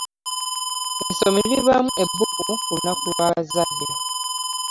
Essomero libamu ebiggumu ku lunaku lwa bazadde.